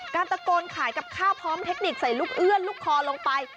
การตะโกนขายกับข้าวพร้อมเทคนิคใส่ลูกเอื้อนลูกคอลงไป